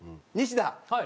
西田。